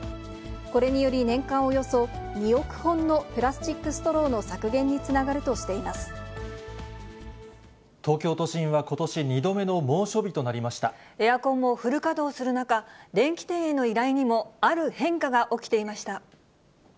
これにより、年間およそ２億本のプラスチックストローの削減につながるとして東京都心は、ことし２度目のエアコンをフル稼働する中、電気店への依頼にも、ある変化が起きていました。